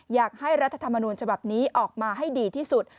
รัฐธรรมนูญฉบับนี้ออกมาให้ดีที่สุด